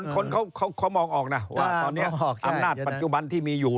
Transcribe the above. คนเขามองออกนะว่าตอนนี้อำนาจปัจจุบันที่มีอยู่